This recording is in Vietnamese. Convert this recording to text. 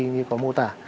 như có mô tả